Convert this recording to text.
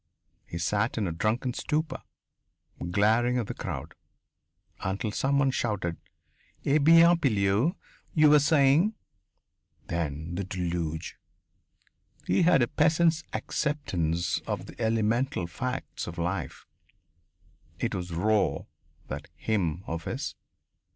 He sat in a drunken stupor, glaring at the crowd, until someone shouted: "Eh bien, Pilleux you were saying?" Then the deluge! He had a peasant's acceptance of the elemental facts of life it was raw, that hymn of his!